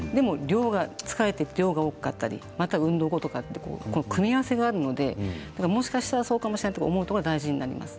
疲れて量が多かったり運動後だったり組み合わせがあるのでもしかするとそうかもしれないと思うことが大事です。